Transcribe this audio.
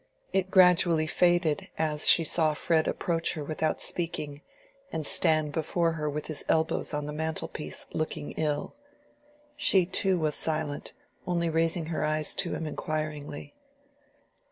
It gradually faded as she saw Fred approach her without speaking, and stand before her with his elbow on the mantel piece, looking ill. She too was silent, only raising her eyes to him inquiringly.